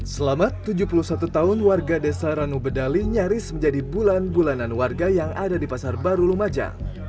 selamat tujuh puluh satu tahun warga desa ranubedali nyaris menjadi bulan bulanan warga yang ada di pasar baru lumajang